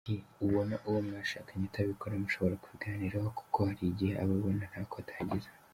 Igihe ubona uwo mwashakanye atabikora, mushobora kubiganiraho kuko hari igihe aba abona ntako atagize.